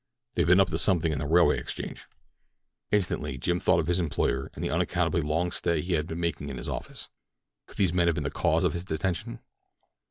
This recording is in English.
They'd been up to something in the Railway Exchange." Instantly Jim thought of his employer and the unaccountably long stay he had been making in his office. Could these men have been the cause of his detention?